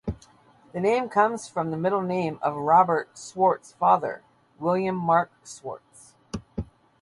The name comes from the middle name of Robert Swartz's father, William Mark Swartz.